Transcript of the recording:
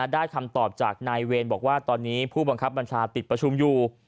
คำตอบจากนายเวรบอกว่าตอนนี้ผู้บังคับบัญชาติดประชุมอยู่